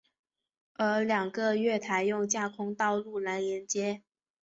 而两个月台用架空道路来连接。